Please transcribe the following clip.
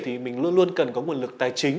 thì mình luôn luôn cần có nguồn lực tài chính